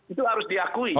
itu harus diakui